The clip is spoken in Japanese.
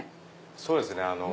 そうですね。